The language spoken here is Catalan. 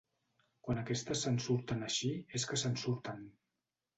Quan aquestes se'n surten així és que se'n surten.